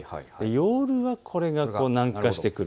夜はこれが南下してくる。